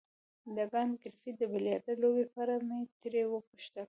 د کانت ګریفي د بیلیارډ لوبې په اړه مې ترې وپوښتل.